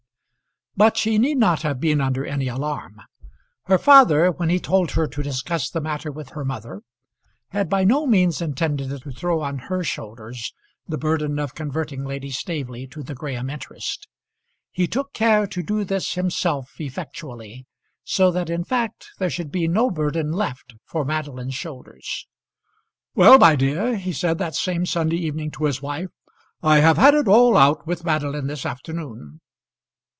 But she need not have been under any alarm. Her father, when he told her to discuss the matter with her mother, had by no means intended to throw on her shoulders the burden of converting Lady Staveley to the Graham interest. He took care to do this himself effectually, so that in fact there should be no burden left for Madeline's shoulders. "Well, my dear," he said that same Sunday evening to his wife, "I have had it all out with Madeline this afternoon."